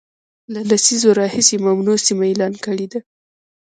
له لسیزو راهیسي ممنوع سیمه اعلان کړې ده